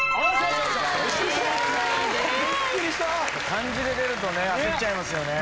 漢字で出るとね焦っちゃいますよね。